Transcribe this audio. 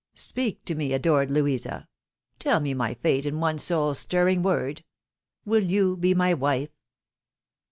Speak to me, adored Louisa ! Tell me my fate in one soul stirring word — WiU you be my wife